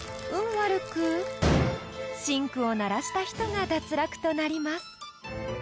悪くシンクを鳴らした人が脱落となります］